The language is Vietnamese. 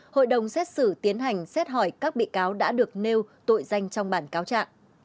hội đồng xét xử tiến hành xét hỏi các bị cáo đã được nêu tội danh trong bản cáo trạng